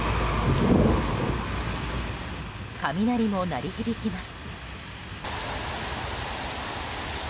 雷も鳴り響きます。